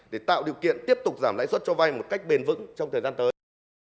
để tạo điều kiện tiếp tục giảm lãi suất cho vay một cách bền vững trong thời gian tới